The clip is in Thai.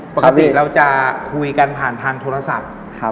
ปกติเราจะคุยกันผ่านทางโทรศัพท์